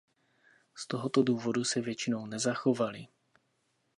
Z tohoto důvodu se většinou nezachovaly.